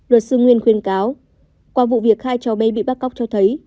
luật sư nguyên khuyên cáo qua vụ việc hai cháu bé bị bắt cóc cho thấy